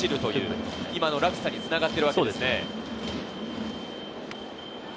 この落差に繋がっているわけですね。